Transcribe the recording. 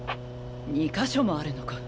２か所もあるのか。